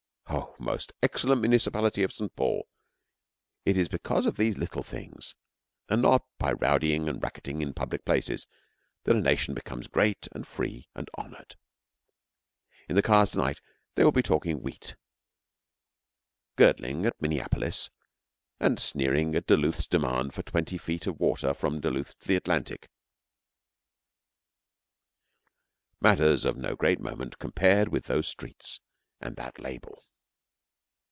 Oh, most excellent municipality of St. Paul. It is because of these little things, and not by rowdying and racketing in public places, that a nation becomes great and free and honoured. In the cars to night they will be talking wheat, girding at Minneapolis, and sneering at Duluth's demand for twenty feet of water from Duluth to the Atlantic matters of no great moment compared with those streets and that label.